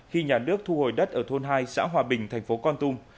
khi nhà nước thu hồi đất ở thôn hai xã hòa bình thành phố con tum